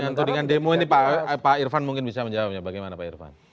dengan tudingan demo ini pak irfan mungkin bisa menjawabnya bagaimana pak irfan